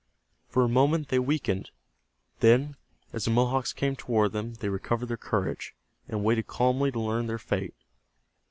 For a moment they weakened. Then as the Mohawks came toward them, they recovered their courage, and waited calmly to learn their fate.